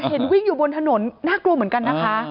เห็นวิ่งอยู่บนถนนน่ากลัวเหมือนกันนะคะ